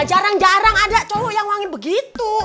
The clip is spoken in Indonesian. jarang jarang ada cowok yang wangi begitu